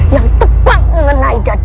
yang tepat mengenai dada aku